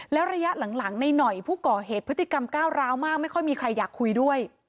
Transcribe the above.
แล้วระยะหลังในหน่อยผู้ก่อเหตุพฤติกรรมก้าวร้าวมากไม่ค่อยมีใครอยากคุยด้วย